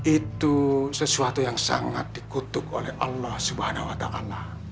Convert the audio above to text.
itu sesuatu yang sangat dikutuk oleh allah subhanahu wa ta'ala